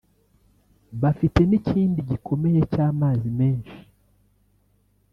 bafite n’ikindi gikomeye cy’amazi meza